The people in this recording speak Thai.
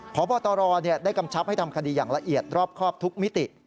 พบตรได้กำชับให้ทำคดีอย่างละเอียดรอบครอบทุกมิติ